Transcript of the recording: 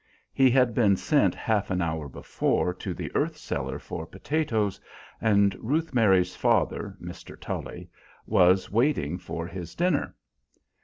He had been sent half an hour before to the earth cellar for potatoes, and Ruth Mary's father, Mr. Tully, was waiting for his dinner.